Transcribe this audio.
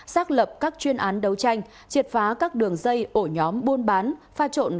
xác lập các chuyên án đấu tranh triệt phá các đường dây ổ nhóm buôn bán pha trộn